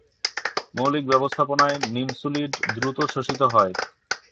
মৌখিক ব্যবস্থাপনায় নিমসুলিড দ্রুত শোষিত হয়।